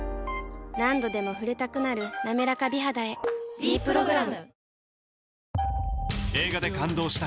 何度でも触れたくなる「なめらか美肌」へ「ｄプログラム」